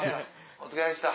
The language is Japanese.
お疲れでした。